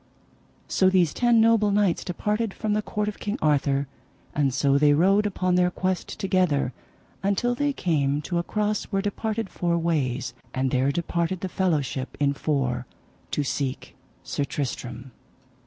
So these ten noble knights departed from the court of King Arthur, and so they rode upon their quest together until they came to a cross where departed four ways, and there departed the fellowship in four to seek Sir Tristram.